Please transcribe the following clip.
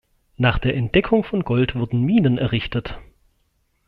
Nach der Entdeckung von Gold wurden Minen errichtet.